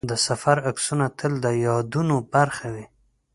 د سفر عکسونه تل د یادونو برخه وي.